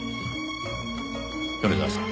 米沢さん